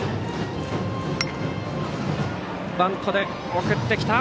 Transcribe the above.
バントで送ってきた。